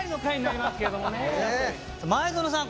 前園さん